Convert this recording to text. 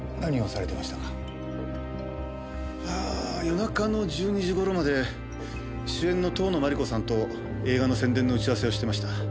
夜中の１２時頃まで主演の遠野麻理子さんと映画の宣伝の打ち合わせをしてました。